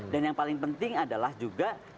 dan yang paling penting adalah juga